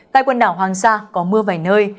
tại quần đảo hoàng sa có mưa vài nơi